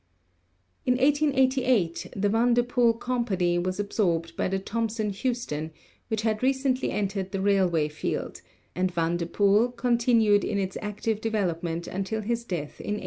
In 1888 the Van Depoele Company was absorbed by the Thomson Houston, which had recently entered the railway field, and Van Depoele continued in its active development until his death in 1892.